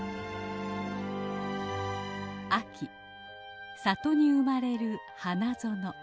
秋里に生まれる花園。